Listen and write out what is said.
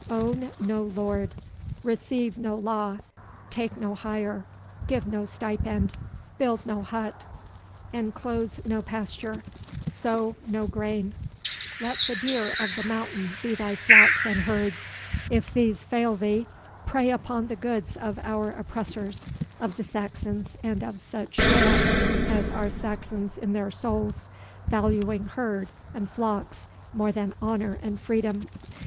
Own no lord receive no law take no hire give no stipend build no hut enclose no pasture sow no grain; let the deer of the mountain be thy flocks and herds if these fail thee, prey upon the goods of our oppressors of the Saxons, and of such Gael as are Saxons in their souls, valuing herds and flocks more than honour and freedom.